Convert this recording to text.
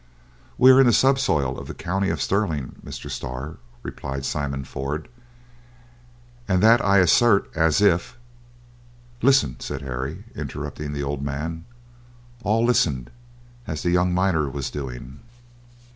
"We are in the subsoil of the county of Stirling, Mr. Starr," replied Simon Ford; "and that I assert as if—" "Listen!" said Harry, interrupting the old man. All listened, as the young miner was doing.